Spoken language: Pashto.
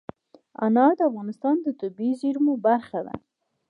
انار د افغانستان د طبیعي زیرمو برخه ده.